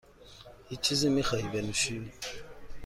هیچ چیزی میخواهی بنوشی؟